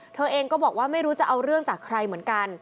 เธอเองก็บอกว่าไม่รู้จะเอาเรื่องจากใครเหมือนกัน